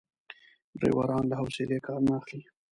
ډریوران له حوصلې کار نه اخلي.